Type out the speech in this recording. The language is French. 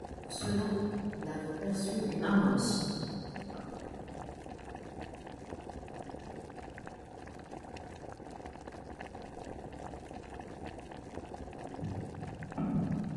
Pour cela il avait perçu une avance.